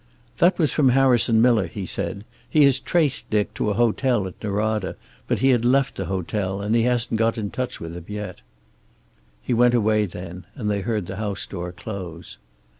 "That was from Harrison Miller," he said. "He has traced Dick to a hotel at Norada, but he had left the hotel, and he hasn't got in touch with him yet." He went away then, and they heard the house door close.